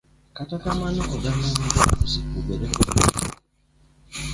Kata kamano, oganda mang'eny, osepogre koda wedegi.